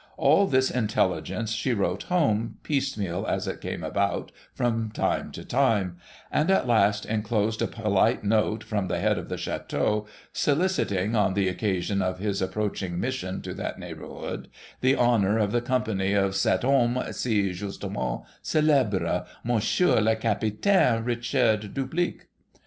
All this intelligence she wrote home, piecemeal as it came about, from time to time ; and at last enclosed a polite note, from the head of the chateau, soliciting, on the occasion of his approach ing mission to that neighbourhood, the honour of the company of cet homme si justement celebre, Monsieur le Capitaine Richard Doubledick.